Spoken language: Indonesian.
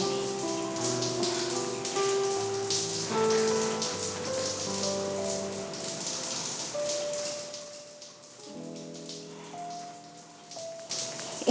aku mau beli